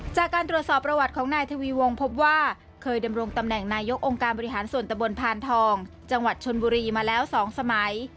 จากการตรวจสอบประวัติของนายทวีวงพบว่าเคยดำรงตำแหน่งนายกองค์การบริหารส่วนตะบนพานทองจังหวัดชนบุรีมาแล้ว๒สมัย